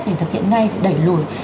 để thực hiện ngay đẩy lùi